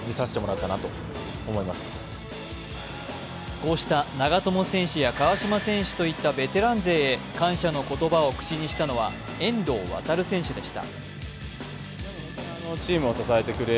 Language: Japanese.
こうした長友選手や川島選手といったベテラン勢へ感謝の言葉を口にしたのは遠藤航選手でした。